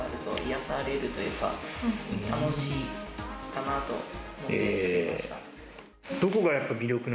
かなと思って作りました。